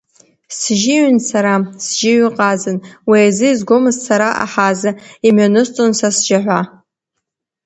Сжьиҩын сара, сжьиҩы ҟазан, уи азы изгомызт сара аҳаза, имҩанысҵон са сжьаҳәа.